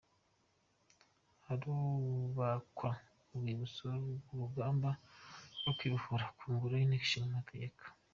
Harubakwa urwibutso rw’urugamba rwo kwibohora ku ngoro y’Inteko Ishinga Amategeko